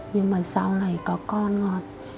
nhưng mà sau này có con rồi